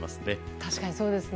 確かにそうですね。